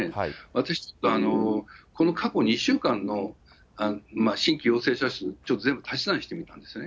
私、ちょっと過去２週間の新規陽性者数、ちょっと全部足し算してみたんですね。